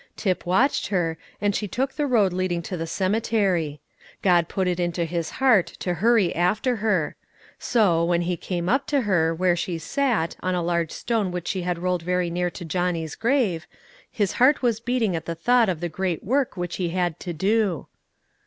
Tip watched her, and she took the road leading to the cemetery. God put it into his heart to hurry after her; so, when he came up to her, where she sat, on a large stone which she had rolled very near to Johnny's grave, his heart was beating at the thought of the great work which he had to do.